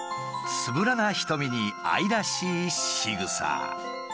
つぶらな瞳に愛らしいしぐさ。